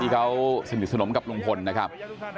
เขาสนิทสนมกับลุงพลนะครับ